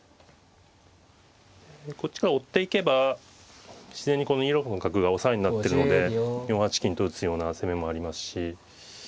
こっちから追っていけば自然にこの２六の角が押さえになってるので４八金と打つような攻めもありますし。